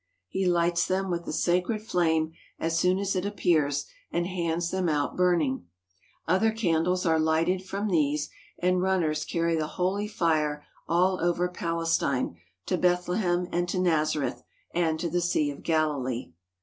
He lights them with the sacred flame as soon as it appears and hands them out burning. Other candles are lighted from these, and runners carry the holy fire all over Palestine, to Bethle hem and to Nazareth, and to the Sea of Galilee.